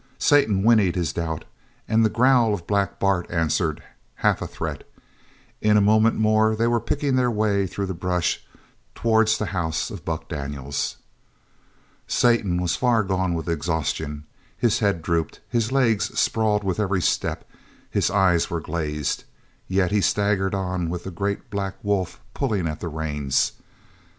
Satan whinnied his doubt, and the growl of Black Bart answered, half a threat. In a moment more they were picking their way through the brush towards the house of Buck Daniels. Satan was far gone with exhaustion. His head drooped; his legs sprawled with every step; his eyes were glazed. Yet he staggered on with the great black wolf pulling at the reins.